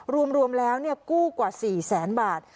รวมแล้วกู้กว่า๔๐๐๐๐๐บาท